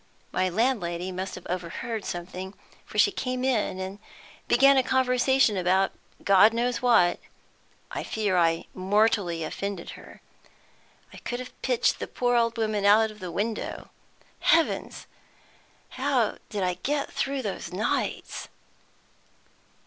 My landlady must have overheard something, for she came in and began a conversation about God knows what; I fear I mortally offended her; I could have pitched the poor old woman out of the window! Heavens, how did I get through those nights?"